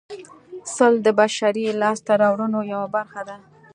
سل د بشري لاسته راوړنو یوه برخه ده